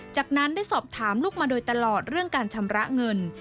จากนั้นได้สอบถามลูกมาโดยตลอดเรื่องการชำระเงิน